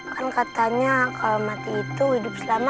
kan katanya kalo mati itu hidup selamanya